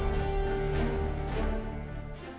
dan diperbentukkan oleh pemerintah surabaya